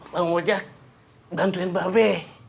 pak ojak bantuin mbak be